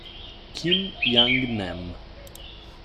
Kim Young-nam